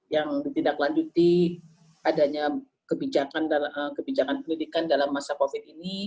yang ditindaklanjuti adanya kebijakan pendidikan dalam masa covid ini